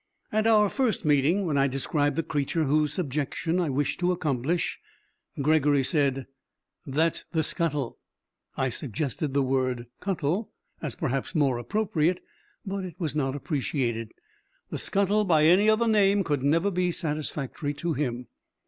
At our first meeting, when I described the creature whose subjection I wished to accomplish, Gregory said, 'That's the scuttle.' I suggested the word cuttle, as, perhaps, more appropriate, but it was not appreciated. The scuttle by any other name could never be satisfactory to him.